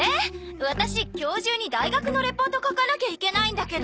ワタシ今日中に大学のレポート書かなきゃいけないんだけど。